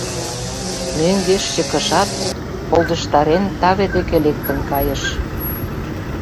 Мӧҥгеш чыкышат, полдыштарен, таве деке лектын кайыш.